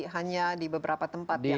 hanya di beberapa tempat yang mungkin